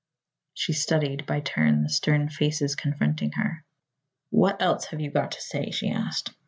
She studied by turn the stern faces confronting her. "What else have you got to say?" she asked.